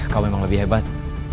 kau memang lebih hebat